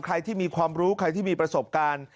ใครที่มีความรู้ใครที่มีประสบการณ์